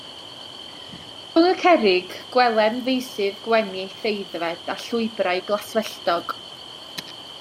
Rhwng y cerrig, gwelem feysydd gwenith aeddfed, a llwybrau glaswelltog.